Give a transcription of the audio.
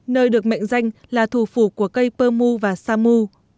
nơi được mệnh danh là thủ phủ của cây pơ mu và sa mu